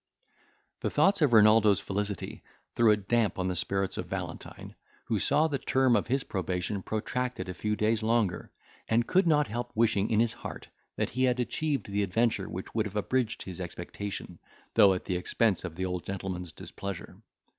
The thoughts of Renaldo's felicity threw a damp on the spirits of Valentine, who saw the term of his probation protracted a few days longer, and could not help wishing in his heart that he had achieved the adventure which would have abridged his expectation, though at the expense of the old gentleman's displeasure.